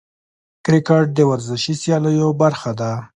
کرکټ د ورزشي سیالیو برخه ده.